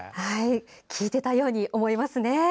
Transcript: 効いていたように思います。